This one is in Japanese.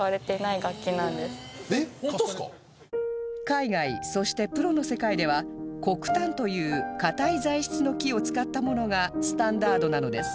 海外そしてプロの世界では黒檀という堅い材質の木を使ったものがスタンダードなのです